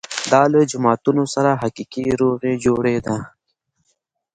دا له جماعتونو سره حقیقي روغې جوړې ده.